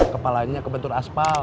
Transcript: kepalanya kebentur aspal